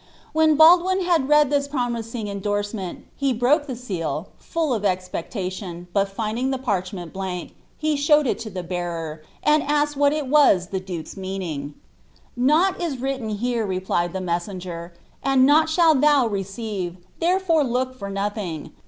When Baldwin had read this prnmiiiog endorsement, he broke the se.i1, lull of expecuttion. but (iniling the parchment blank, he showed it to the bearer; and asked what was the duke*B meauing. " Xought is written here," replied the messenger, " and nought sh»h thou receive, therefore look for nothing.